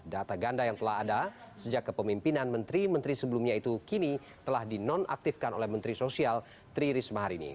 data ganda yang telah ada sejak kepemimpinan menteri menteri sebelumnya itu kini telah dinonaktifkan oleh menteri sosial tri risma hari ini